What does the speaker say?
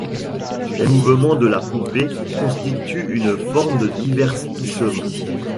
Les mouvements de la poupée constituent une forme de divertissement.